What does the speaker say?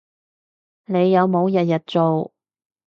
你有冇日日做